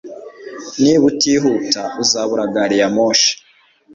Niba utihuta uzabura gari ya moshi